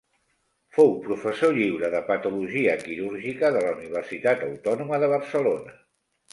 Fou professor lliure de patologia quirúrgica de la Universitat Autònoma de Barcelona.